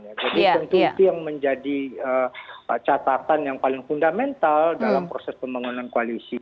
jadi tentu itu yang menjadi catatan yang paling fundamental dalam proses pembangunan koalisi